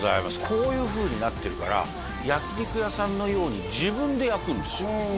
こういうふうになってるから焼き肉屋さんのように自分で焼くんですよ